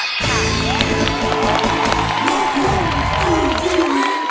ขอเพียงคุณสามารถที่จะเอ่ยเอื้อนนะครับ